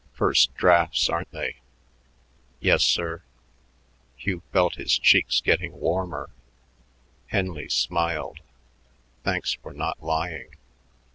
"First drafts, aren't they?" "Yes, sir." Hugh felt his cheeks getting warmer. Henley smiled. "Thanks for not lying.